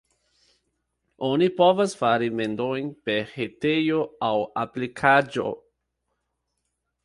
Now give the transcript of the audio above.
Oni povas fari mendojn per retejo aŭ aplikaĵo.